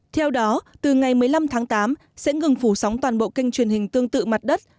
theo đó từ ngày một mươi năm tháng tám sẽ ngừng phủ sóng toàn bộ kênh truyền hình tương tự mặt đất